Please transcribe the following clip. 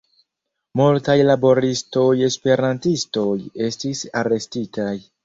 Multaj laboristoj-esperantistoj estis arestitaj.